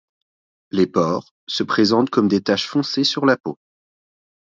Les pores se présentent comme des taches foncées sur la peau.